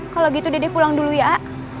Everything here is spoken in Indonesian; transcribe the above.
kalau gitu deh pulang dulu ya a